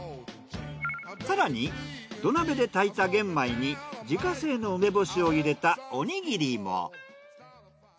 更に土鍋で炊いた玄米に自家製の梅干しを入れたおにぎりも。